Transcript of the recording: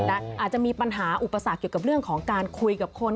อาจจะมีปัญหาอุปสรรคเกี่ยวกับเรื่องของการคุยกับคน